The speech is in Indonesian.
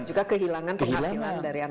dan juga kehilangan penghasilan dari anak itu